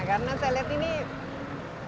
karena saya lihat ini bagus ya